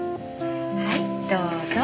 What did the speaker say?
はいどうぞ。